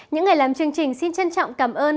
những ngày làm chương trình xin trân trọng cảm ơn